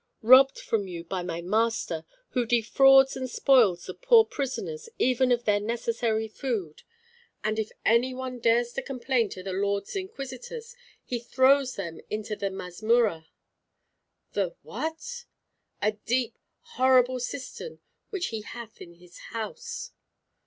"Robbed from you by my master, who defrauds and spoils the poor prisoners even of their necessary food. And if any one dares to complain to the Lords Inquisitors, he throws him into the Masmurra." "The what?" "A deep, horrible cistern which he hath in his house."